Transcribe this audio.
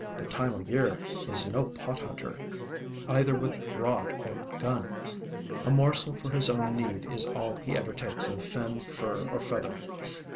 But Time o' Year is no pot hunter, either with rod or gun; a morsel for his own need is all he ever takes of fin, fur, or feather.